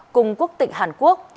cùng quốc tịch hàn quốc